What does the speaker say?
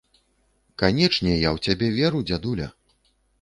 Канечне, я ў цябе веру, дзядуля!